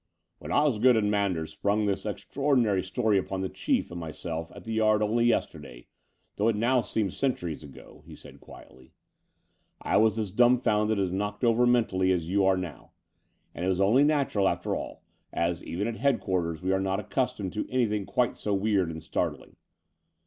"When Osgood and Manders sprung this extra ordinary story upon the Chief and myself at the Yard only yesterday, though it now seems centu ries ago," he said quietly, I was as dumbfounded and knocked over mentally as you are now; and it was only natural after all, as, even at headquar ters, we are not accustomed to anything quite so weird and startling.